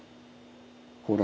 ほら。